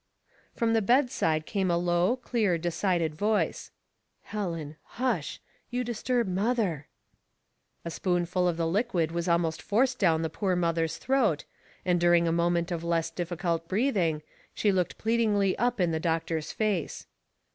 From the bedside came a low, clear, decided voice. "Helen, hush — you disturb mother.'* A spoonful of the liquid was almost forced down the poor mother's throat, and during a moment of less difficult breathing, she looked pleadingly up in the doctor's face.